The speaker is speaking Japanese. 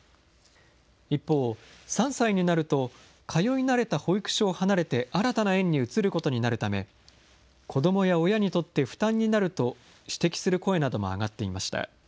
一方、３歳になると通い慣れた保育所を離れて新たな園に移ることになるため、子どもや親にとって負担になると、指摘する声なども上がっていました。